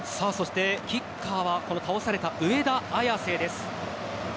キッカーは倒された上田綺世です。